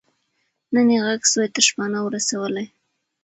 نه یې ږغ سوای تر شپانه ور رسولای